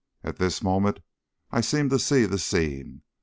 At this moment I seem to see the scene.